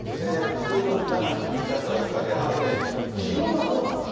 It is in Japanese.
ずっと中３日とか４日でやってて、疲労はどうなんですか。